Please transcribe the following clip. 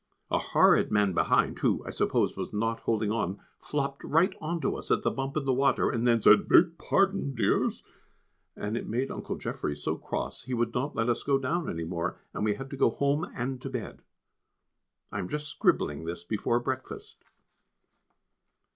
A horrid man behind, who, I suppose, was not holding on, flopped right on to us at the bump in the water, and then said, "Beg pardon, dears," and it made Uncle Geoffrey so cross he would not let us go down any more, and we had to go home and to bed. I am just scribbling this before breakfast.